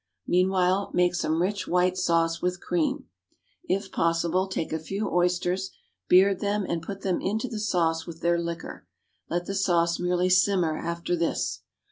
Meanwhile make some rich white sauce with cream; if possible, take a few oysters, beard them, and put them into the sauce with their liquor; let the sauce merely simmer after this.